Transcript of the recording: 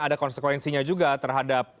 ada konsekuensinya juga terhadap